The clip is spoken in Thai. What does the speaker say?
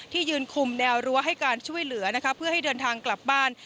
ยืนคุมแนวรั้วให้การช่วยเหลือนะคะเพื่อให้เดินทางกลับบ้าน